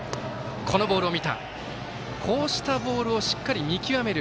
こうしたボールをしっかり見極める。